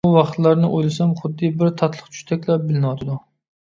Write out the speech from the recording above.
ئۇ ۋاقىتلارنى ئويلىسام خۇددى بىر تاتلىق چۈشتەكلا بىلىنىۋاتىدۇ.